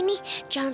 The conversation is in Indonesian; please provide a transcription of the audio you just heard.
aku mau pergi